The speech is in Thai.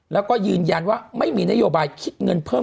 แล้วก็ยืนยันว่าไม่มีนโยบายคิดเงินเพิ่ม